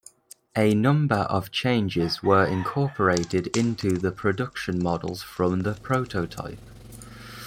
A number of changes were incorporated into the production models from the prototype.